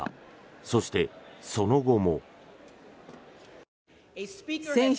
そして、その後も。